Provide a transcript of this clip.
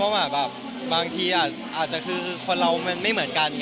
แบบบางทีอาจจะคือคนเรามันไม่เหมือนกัน